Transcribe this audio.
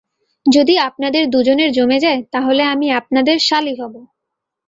যদি আপনাদের দুজনের জমে যায়, তাহলে আমি আপনার শালি হবো।